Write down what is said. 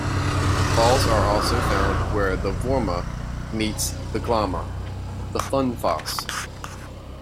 Falls are also found where the Vorma meets the Glomma - the Funnefoss.